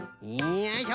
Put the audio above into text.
よいしょ。